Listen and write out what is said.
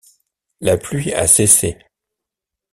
La pluie a cessé.